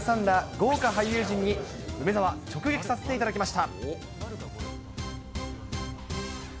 豪華俳優陣に梅澤、直撃させていただきました。